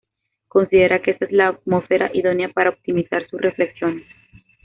Considera que esa es la atmósfera idónea para optimizar sus reflexiones.